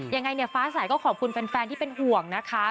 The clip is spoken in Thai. ยังไงเนี่ยฟ้าสายก็ขอบคุณแฟนที่เป็นห่วงนะคะ